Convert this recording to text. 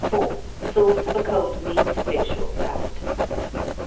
_Sauce for Cold Meat, Fish or Salad.